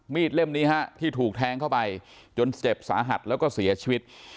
เล่มนี้ฮะที่ถูกแทงเข้าไปจนเจ็บสาหัสแล้วก็เสียชีวิต